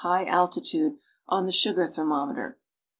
high altitude on the sugar thermometer).